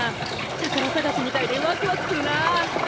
宝探しみたいでわくわくするな。